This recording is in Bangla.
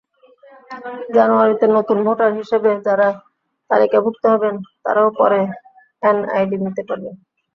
জানুয়ারিতে নতুন ভোটার হিসেবে যাঁরা তালিকাভুক্ত হবেন, তাঁরাও পরে এনআইডি নিতে পারবেন।